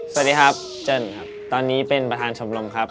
สวัสดีครับเจิ้นครับตอนนี้เป็นประธานชมรมครับ